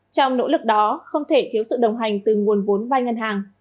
trong nỗ lực đó không thể thiếu sự đồng hành từ nguồn vốn vai ngân hàng